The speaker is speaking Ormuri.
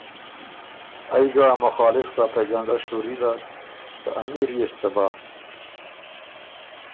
ائ ګۀ ا مخالف پروپېګنډۀ شُوري داک که ”امیر يې سو څۀ بَۀ،